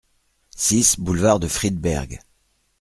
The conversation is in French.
six boulevard de Friedberg